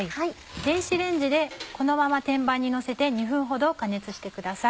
電子レンジでこのまま天板にのせて２分ほど加熱してください。